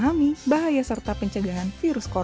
humor mengingatkan bangga hai serta pencegahan virus bonjour